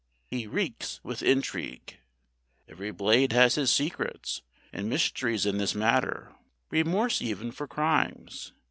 He reeks with intrigue. Every Blade has his secrets and mysteries in this matter remorse even for crimes.